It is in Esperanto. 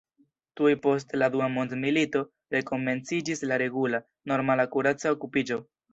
Tuj post la Dua Mondmilito, rekomenciĝis la regula, normala kuraca okupiĝo.